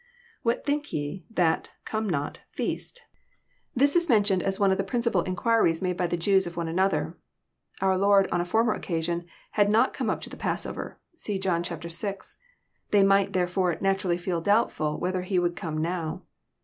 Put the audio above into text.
IWhat think ye...that...not come... feast.] This is mentioned as JOHN, CHAP. xn. 305 one of the principal inquiries made by the Jews of one another. Onr Lord, on a former occasion, had not come np to the pass* over. (See John vi.) They might, therefore, naturally feel donbtfbl whether He would come now.